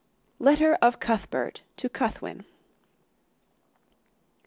(3) Letter of Cuthbert to Cuthwin.